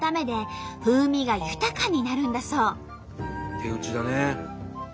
手打ちだね。